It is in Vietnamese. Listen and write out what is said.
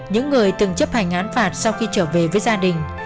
những người từng chấp hành án phạt sau khi trở về với gia đình